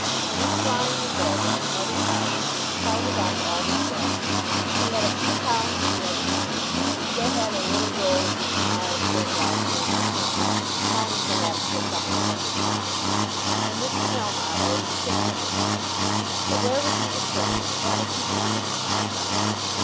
When he was lying in bed in his mother's house he counted up all his wealth. He had a few pounds in ready money, he still had a little roll of Mr. Miles Grendall's notes of hand, amounting perhaps to a couple of hundred pounds, and Mr. Melmotte owed him £600. But where was he to turn, and what was he to do with himself?